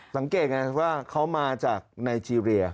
สังเกตไงว่าเขามาจากไนเจรีย